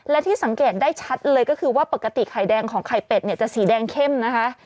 และที่สังเกตได้ชัดเลยก็คือว่าปกติไข่แดงของไข่เป็ดเนี่ยจะสีแดงเข้มนะคะ